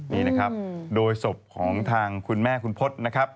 นี่นะครับโดยศพของทางคุณแม่คุณพศนะครับ